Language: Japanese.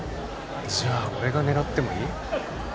じゃあ俺が狙ってもいい？